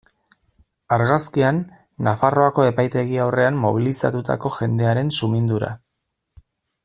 Argazkian, Nafarroako epaitegi aurrean mobilizatutako jendearen sumindura.